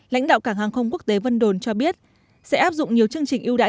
lãnh đạo cảng hàng không quốc tế vân đồn cho biết sẽ áp dụng nhiều chương trình ưu đãi